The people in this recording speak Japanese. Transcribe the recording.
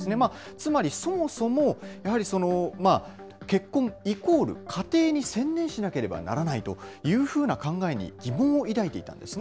つまり、そもそも、やはり結婚イコール、家庭に専念しなければならないというふうな考えに疑問を抱いていたんですね。